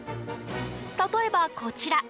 例えば、こちら。